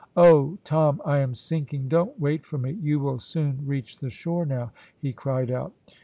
"Oh! Tom, I am sinking, don't wait for me, you will soon reach the shore now," he cried out.